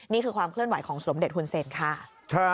นี่คือความเคลื่อนไหวของสมเด็จฮุนเซนค่ะ